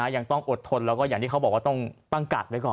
ยังต้องอดทนแล้วก็อย่างที่เขาบอกว่าต้องตั้งกาดไว้ก่อน